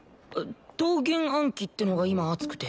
『桃源暗鬼』ってのが今アツくて。